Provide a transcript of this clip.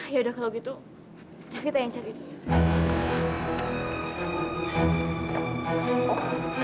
ya udah kalau gitu kita yang cari dia